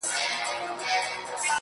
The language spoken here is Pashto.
و چاته تڼۍ خلاصي کړه گرېوالنه سرگردانه,